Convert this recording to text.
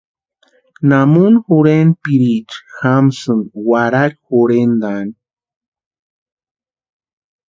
¿Namuni jorhenpiriecha jamasïni warhari jorhentaani?